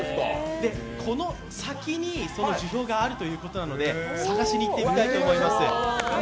この先にその樹氷があるということなので、探しに行ってみたいと思います。